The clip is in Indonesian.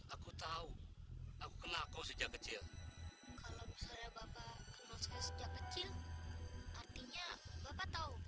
aku tahu aku kenal kau sejak kecil kalau misalnya bapak kenal saya sejak kecil artinya bapak tahu